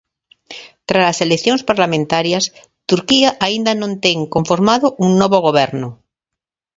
Tralas eleccións parlamentarias, Turquía aínda non ten conformado un novo goberno.